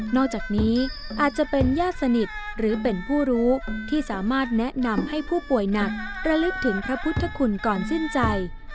อกจากนี้อาจจะเป็นญาติสนิทหรือเป็นผู้รู้ที่สามารถแนะนำให้ผู้ป่วยหนักระลึกถึงพระพุทธคุณก่อนสิ้นใจ